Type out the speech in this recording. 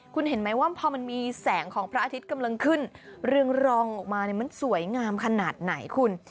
คุณเห็นไหมว่าพอมันมีแสงของพระอาทิตย์กำลังขึ้นเรืองรองออกมามันสวยงามขนาดไหนคุณ